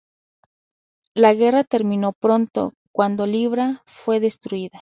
La guerra terminó pronto cuando Libra fue destruida.